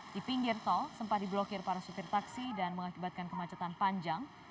di pinggir tol sempat diblokir para supir taksi dan mengakibatkan kemacetan panjang